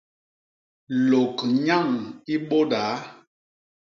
Lôgnyañ i bôdaa.